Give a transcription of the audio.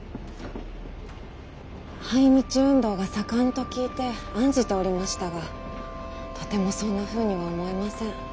排日運動が盛んと聞いて案じておりましたがとてもそんなふうには思えません。